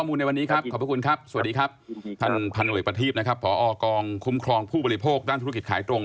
มีเวลานิดนึงเรื่องจาก